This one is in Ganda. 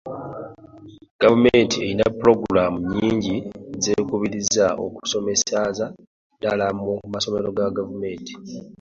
Gavumenti erina pulogulaamu nnyingi z'ekubiriza okusomeseza ddala mu masomero ga gavumenti.